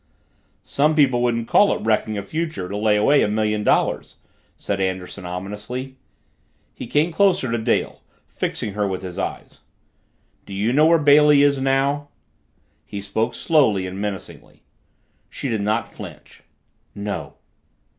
"Some people wouldn't call it wrecking a future to lay away a million dollars," said Anderson ominously. He came closer to Dale, fixing her with his eyes. "Do you know where Bailey is now?" He spoke slowly and menacingly. She did not flinch. "No."